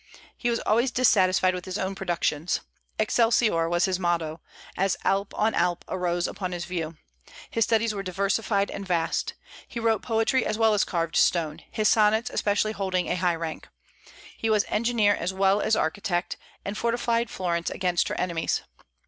He was always dissatisfied with his own productions. Excelsior was his motto, as Alp on Alp arose upon his view. His studies were diversified and vast. He wrote poetry as well as carved stone, his sonnets especially holding a high rank. He was engineer as well as architect, and fortified Florence against her enemies.